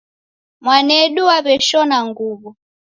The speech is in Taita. Mwanedu waweshona nguwo